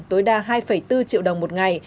tối đa hai bốn triệu đồng một ngày